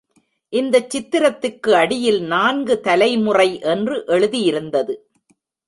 இந்தச் சித்திரத்துக்கு அடியில் நான்கு தலைமுறை என்று எழுதியிருந்தது.